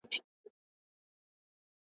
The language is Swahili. ya afrika mashariki na kati